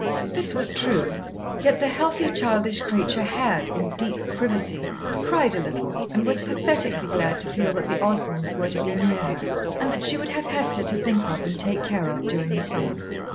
This was true, yet the healthy, childish creature had, in deep privacy, cried a little, and was pathetically glad to feel that the Osborns were to be near her, and that she would have Hester to think of and take care of during the summer.